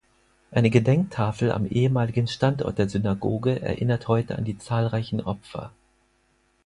Eine Gedenktafel am ehemaligen Standort der Synagoge erinnert heute an die zahlreichen Opfer.